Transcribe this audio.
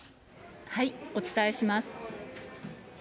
お伝えします。